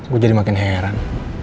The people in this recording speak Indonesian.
gue jadi makin heran